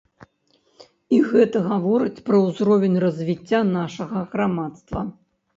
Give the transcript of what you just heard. І гэта гаворыць пра ўзровень развіцця нашага грамадства.